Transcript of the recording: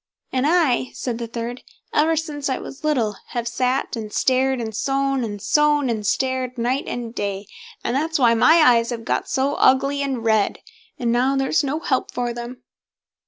"And I", said the third, "ever since I was little, I have sat, and stared, and sewn, and sewn and stared, night and day; and that's why my eyes have got so ugly and red, and now there's no help for them."